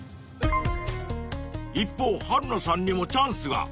［一方春菜さんにもチャンスが］